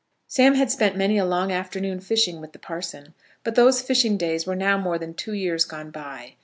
Sam had spent many a long afternoon fishing with the parson, but those fishing days were now more than two years gone by.